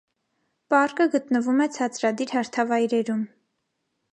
Պարկը գտնվում է ցածրադիր հարթավայրերում։